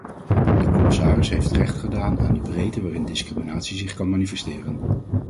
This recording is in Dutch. De commissaris heeft recht gedaan aan de breedte waarin discriminatie zich kan manifesteren.